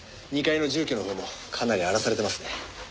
２階の住居のほうもかなり荒らされてますね。